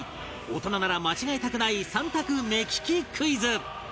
大人なら間違えたくない３択目利きクイズ